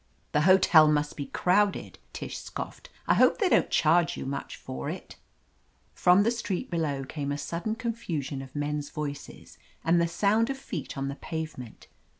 "The hotel must be crowded," Tish scoffed. "I hope they don't charge you much for it." From the street below came a sudden con fusion of men's voices and the sound of feet on the pavement.